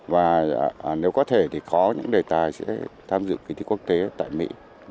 và nếu có thể thì có những đề tài sẽ tham dự kỳ thi quốc tế tại mỹ